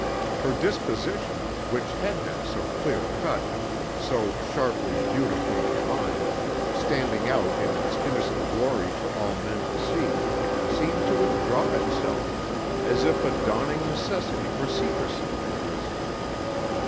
Her disposition, which had been so clear cut, so sharply, beautifully defined, standing out in its innocent glory for all men to see, seemed to withdraw itself, as if a dawning necessity for secrecy had arisen.